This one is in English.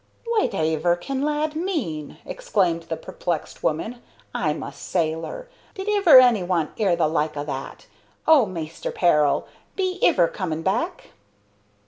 "Whativer can lad mean?" exclaimed the perplexed woman. "'Im a sailor! Did iver any one 'ear the like o' that? Oh, Maister Peril! be iver coming back?"